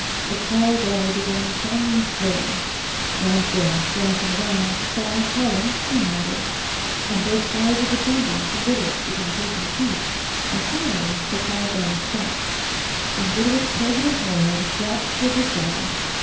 The call bell began clanging slowly. Lancedale, glancing around, saw Cardon and nodded. On both sides of the chamber, the Literates began taking seats, and finally the call bell stopped, and Literate President Morehead rapped with his gavel.